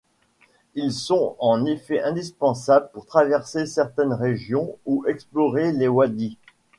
Ils sont en effet indispensables pour traverser certaines régions ou explorer les wadis.